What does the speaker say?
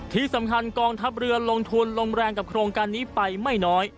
ที่สำคัญกองทัพเรือลงทุนลงแรงกับโครงการนี้ไปไม่น้อย